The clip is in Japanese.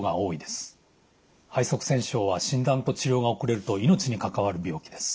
肺塞栓症は診断と治療が遅れると命に関わる病気です。